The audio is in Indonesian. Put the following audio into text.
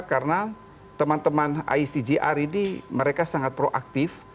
karena teman teman icg rid mereka sangat proaktif